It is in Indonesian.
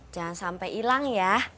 jangan sampai ilang ya